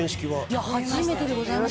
いや初めてでございます。